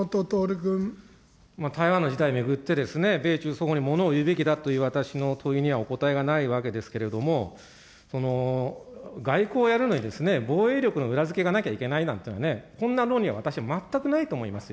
台湾の事態を巡って、米中双方にものを言うべきだという私の問いにはお答えがないわけですけれども、外交をやるのに防衛力の裏付けがなきゃいけないなんていうのはね、こんな論理は私は全くないと思いますよ。